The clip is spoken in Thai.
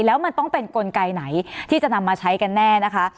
แล้วมันต้องเป็นกลไกไหนที่จะนำมาใช้กันแน่นะคะ